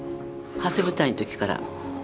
初舞台の時から。